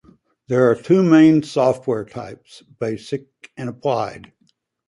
There are two main software types: basic and applied.